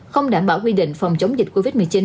không đảm bảo quy định phòng chống dịch covid một mươi chín